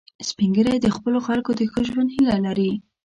سپین ږیری د خپلو خلکو د ښه ژوند هیله لري